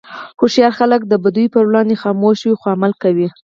هوښیار خلک د بدیو پر وړاندې خاموش وي، خو عمل کوي.